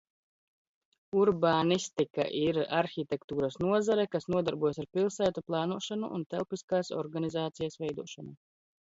Urbānistika ir arhitektūras nozare, kas nodarbojas ar pilsētu plānošanu un telpiskās organizācijas veidošanu.